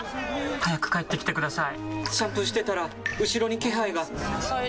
早く帰ってきてください！